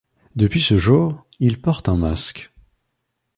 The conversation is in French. Depuis ce jour, il porte un masque.